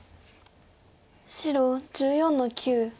白１４の九。